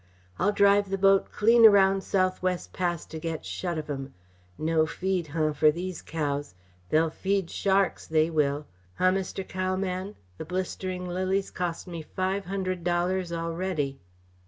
"I'll drive the boat clean around Southwest Pass to get shut of 'em! No feed, huh, for these cows! They'll feed sharks, they will! Huh, Mr. Cowman, the blisterin' lilies cost me five hundred dollars already!"